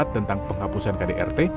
tentang penghapusan kdrt